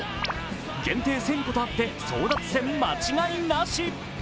限定１０００個とあって、争奪戦間違いなし。